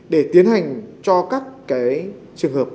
để tiến hành cho các cái trường hợp này